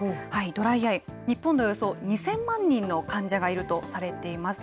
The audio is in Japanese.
ドライアイ、日本におよそ２０００万人の患者がいるとされています。